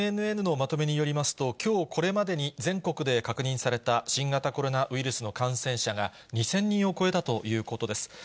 ＮＮＮのまとめによりますと、きょう、これまでに全国で確認された新型コロナウイルスの感染者が２０００人を超えたということです。